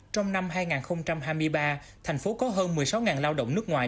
trong năm hai nghìn hai mươi ba thành phố có hơn một mươi sáu lao động nước ngoài